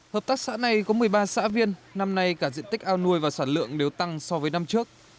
hợp tác xã này có một mươi ba xã viên năm nay cả diện tích ao nuôi và sản lượng đều tăng so với năm trước